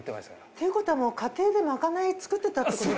ってことは家庭でまかない作ってたってことですか？